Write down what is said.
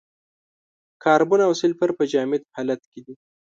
کاربن او سلفر په جامد حالت کې دي.